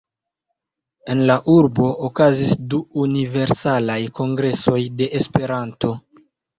En la urbo okazis du Universalaj Kongresoj de Esperanto.